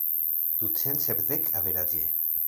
Ducent sepdek, averaĝe.